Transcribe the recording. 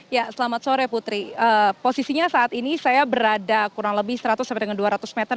ya selamat sore putri posisinya saat ini saya berada kurang lebih seratus sampai dengan dua ratus meter